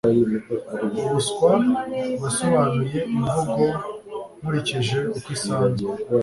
ubuswa nasobanuye imvugo nkurikije uko isanzwe